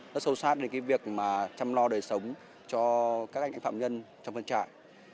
rất sâu sát đến việc chăm lo đời sống cho các anh anh phạm nhân trong phân trại